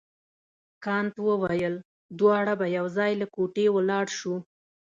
کانت وویل دواړه به یو ځای له کوټې ولاړ شو.